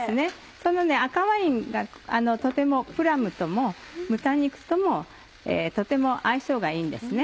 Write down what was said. その赤ワインがとてもプラムとも豚肉ともとても相性がいいんですね。